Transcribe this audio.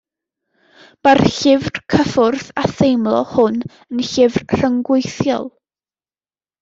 Mae'r llyfr cyffwrdd a theimlo hwn yn llyfr rhyngweithiol.